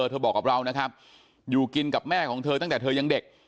เธอบอกกับเรานะครับอยู่กินกับแม่ของเธอตั้งแต่เธอยังเด็ก